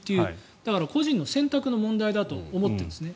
だから、個人の選択の問題だと思ってるんですね。